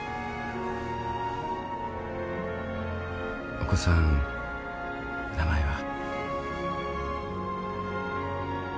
お子さん名前は？